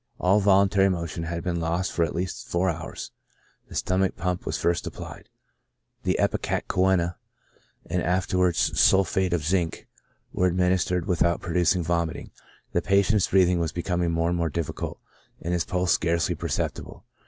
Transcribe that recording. All voluntary motion had been lost for at least four hours. The stomach pump was first applied ; then ipecacuanha, and afterwards sulphate of zinc, were administered, without producing vomiting. The patient's breathing was becoming more and more difficult, and his pulse scarcely perceptible.